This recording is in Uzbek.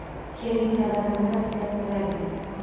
Keling, sababini bir izlab ko‘raylik.